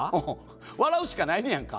笑うしかないやんか。